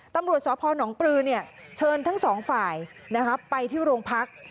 ตำรวจสพนปลือเชิญทั้งสองฝ่ายไปที่โรงพัก